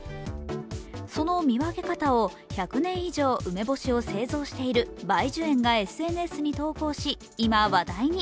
その見分け方を、１００年以上梅干しを製造している梅樹園がＳＮＳに投稿し今、話題に。